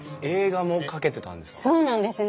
そうなんですね。